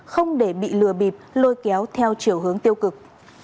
không để bị lừa bịp lôi kéo theo chiều hướng tiêu cực